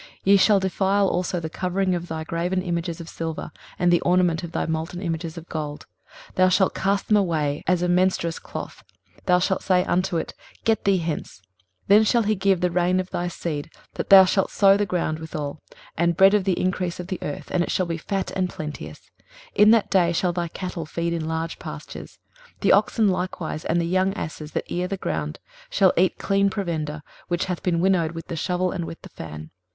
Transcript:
23:030:022 Ye shall defile also the covering of thy graven images of silver, and the ornament of thy molten images of gold: thou shalt cast them away as a menstruous cloth; thou shalt say unto it, Get thee hence. 23:030:023 Then shall he give the rain of thy seed, that thou shalt sow the ground withal; and bread of the increase of the earth, and it shall be fat and plenteous: in that day shall thy cattle feed in large pastures. 23:030:024 The oxen likewise and the young asses that ear the ground shall eat clean provender, which hath been winnowed with the shovel and with the fan.